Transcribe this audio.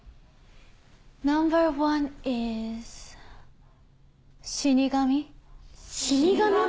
ナンバーワンイズ死神死神？